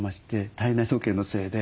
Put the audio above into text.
体内時計のせいで。